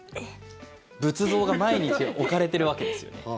仏像が毎日置かれているわけですよね。